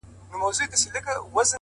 نظم د بریالیتوب خاموش بنسټ دی,